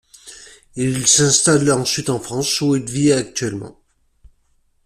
Il s'installe ensuite en France où il vit actuellement.